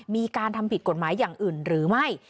มีการทำผิดกฎหมายอย่างอื่นหรือไม่